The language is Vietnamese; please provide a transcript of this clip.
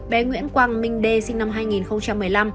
bé nguyễn quang minh d sinh năm hai nghìn một mươi ba